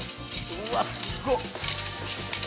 うわっすごっ！